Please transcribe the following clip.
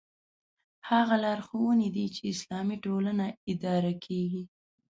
هغه لارښوونې دي چې اسلامي ټولنه اداره کېږي.